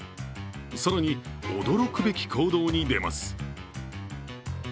更に、驚くべき行動に出ます。